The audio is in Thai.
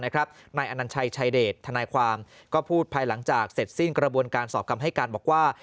นายอนัญชัยชายเดชทนายความก็พูดภายหลังจากเสร็จสิ้นกระบวนการสอบคำให้การบอกว่า